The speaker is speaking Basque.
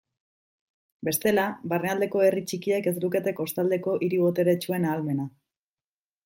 Bestela, barnealdeko herri txikiek ez lukete kostaldeko hiri boteretsuen ahalmena.